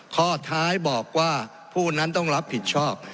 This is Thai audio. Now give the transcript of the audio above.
ข้อท้ายบอกว่าผู้นั้นต้องรับผิดชอบ